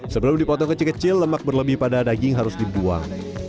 sebelum dipotong kecil kecil lemak berlebih pada daging harus dibuang